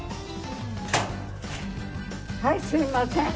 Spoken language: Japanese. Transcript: はいすいません。